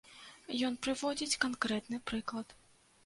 Ён прыводзіць канкрэтны прыклад.